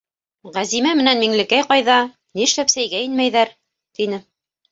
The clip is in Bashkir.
— Ғәзимә менән Миңлекәй ҡайҙа, ни эшләп сәйгә инмәйҙәр? — тине.